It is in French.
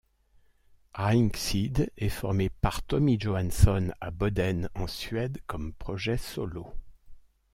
ReinXeed est formé par Tommy Johansson à Boden, en Suède, comme projet solo.